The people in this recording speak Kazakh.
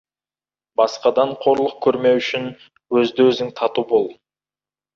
Басқадан қорлық көрмеу үшін, өзді-өзің тату бол.